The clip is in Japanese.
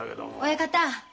親方。